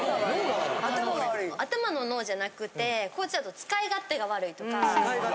頭の脳じゃなくて高知だと使い勝手が悪いとか。